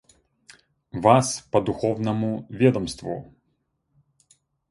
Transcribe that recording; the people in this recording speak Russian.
Вас по духовному ведомству.